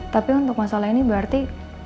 tapi untuk masalah ini berarti